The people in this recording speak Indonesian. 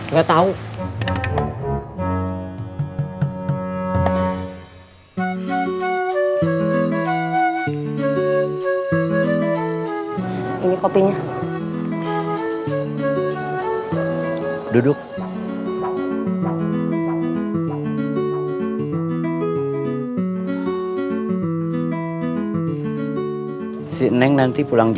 apa salahnya kerja seperti kita sekarang